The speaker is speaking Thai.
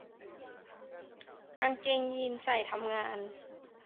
กางเกงยีนส์ใส่ทำงาน